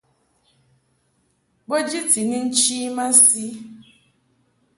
Bo jiti ni nchi masi.